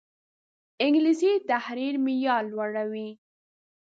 انګلیسي د تحریر معیار لوړوي